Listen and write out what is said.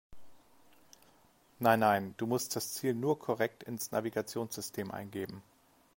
Nein, nein, du musst das Ziel nur korrekt ins Navigationssystem eingeben.